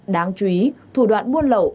đáng chú ý thủ đoạn buôn lậu